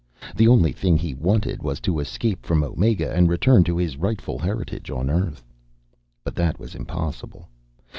The only thing he wanted was to escape from Omega and return to his rightful heritage on Earth. But that was impossible.